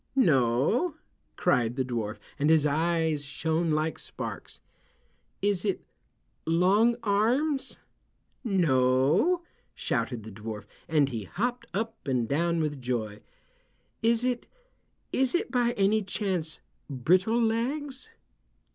"No," cried the dwarf and his eyes shone like sparks. "Is it Long Arms?" "No," shouted the dwarf, and he hopped up and down with joy. "Is it—is it by any chance Brittle Legs?"